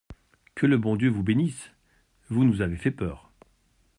Que le bon Dieu vous bénisse !… vous nous avez fait peur !…